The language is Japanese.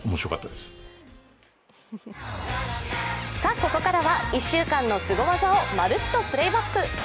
ここからは１週間のスゴ技を「まるっと！Ｐｌａｙｂａｃｋ」。